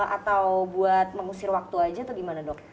atau buat mengusir waktu aja atau gimana dok